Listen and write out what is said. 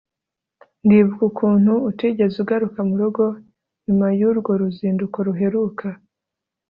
ndibuka ukuntu utigeze ugaruka murugo nyuma yurwo ruzinduko ruheruka